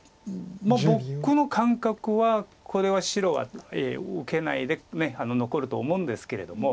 まあ僕の感覚はこれは白は受けないで残ると思うんですけれども。